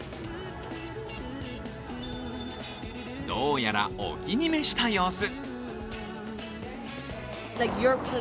どうやらお気に召した様子。